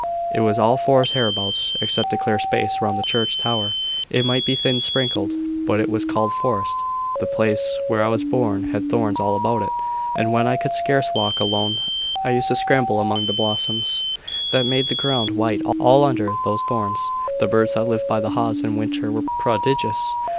"It was all forest hereabouts, except a clear space round the church tower. It might be thin sprinkled, but it was called forest. The place where I was born had thorns all about it; and when I could scarce walk alone, I used to scramble among the blossoms that made the ground white all under those thorns. The birds that lived by the haws in winter were prodigious.